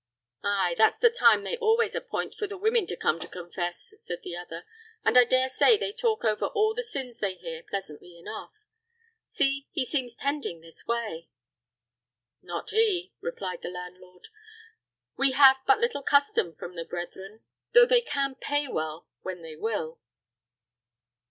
"Ay, that's the time they always appoint for the women to come to confess," said the other; "and I dare say they talk over all the sins they hear pleasantly enough. See, he seems tending this way." "Not he," replied the landlord; "we have but little custom from the brethren, though they can pay well when they will.